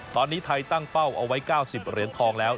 ตอนนี้ไทยตั้งเป้าเอาไว้๙๐เหรียญทองแล้ว